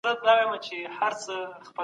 ټکنالوژي د ژوند هره برخه اسانه کوي.